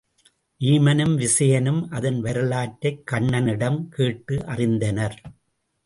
வீமனும், விசயனும் அதன் வரலாற்றைக் கண்ணனிடம் கேட்டு அறிந்தனர்.